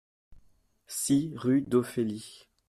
six rue d'Ophélie